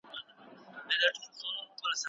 هغه څوک چي په جبر لولي په درس نه پوهېږي.